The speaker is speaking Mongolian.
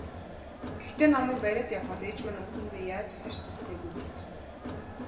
Гэхдээ намайг бариад явахад ээж маань үүдэндээ яаж тарчилсныг би мартахгүй.